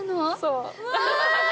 うわ！